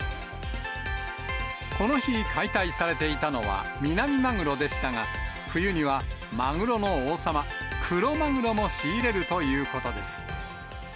この日、解体されていたのはミナミマグロでしたが、冬にはマグロの王様、クロマグロも仕入れるということです。